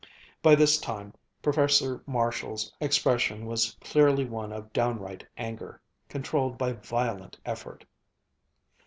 By this time Professor Marshall's expression was clearly one of downright anger, controlled by violent effort.